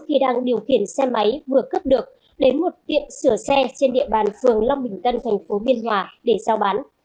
khi đang điều khiển xe máy vừa cướp được đến một tiệm sửa xe trên địa bàn phường long bình tân thành phố biên hòa để giao bán